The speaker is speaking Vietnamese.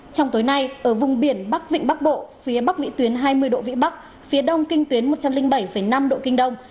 trong tối nay ở vùng biển bắc vịnh bắc bộ phía bắc vị tuyến hai mươi độ vĩ bắc phía đông kinh tuyến một trăm linh bảy năm độ kinh đông